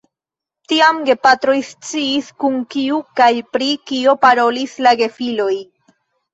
Tiam gepatroj sciis, kun kiu kaj pri kio parolis la gefiloj.